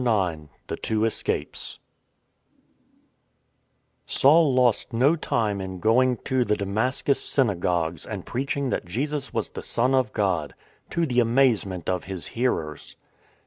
IX THE TWO ESCAPES SAUL lost no time in going to the Damascus syna gogues and preaching that Jesus was the Son of God — to the amazement of his hearers.